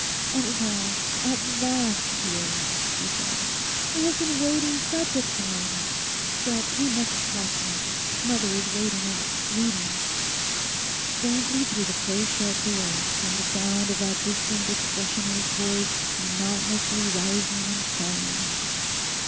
'At last, at last, dear,' she said; 'I have been waiting such a time. But we mustn't talk much. Mother is waiting up, reading.' Faintly through the close shut door came the sound of that distant expressionless voice monotonously rising and falling.